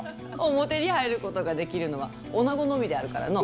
表に入ることができるのは女のみであるからの。